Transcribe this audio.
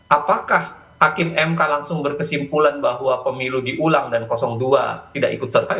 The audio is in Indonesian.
apakah hakim mk langsung berkesimpulan bahwa pemilu diulang dan dua tidak ikut serta